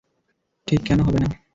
ঠিক কেন হবে না?